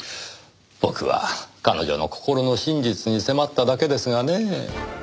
僕は彼女の心の真実に迫っただけですがねえ。